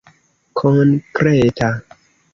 konkreta